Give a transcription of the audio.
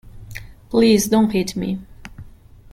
Please, don't hit me.